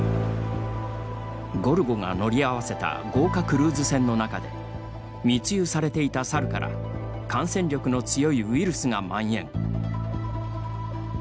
ゴルゴが乗り合わせた豪華クルーズ船の中で密輸されていた猿から感染力の強いウイルスがまん延。